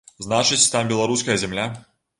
Значыць, там беларуская зямля.